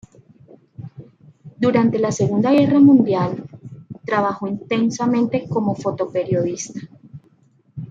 Durante la Segunda Guerra Mundial trabajó intensamente como fotoperiodista.